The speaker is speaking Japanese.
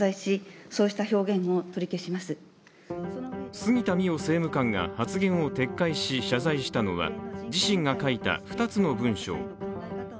杉田水脈政務官が発言を撤回し謝罪したのは、自身が書いた２つの文章。